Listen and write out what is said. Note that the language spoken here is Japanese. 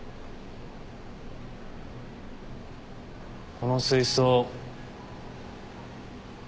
この水槽。